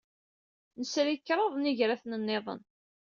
Nesri kraḍ n yigraten niḍen.